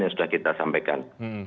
yang sudah kita sampaikan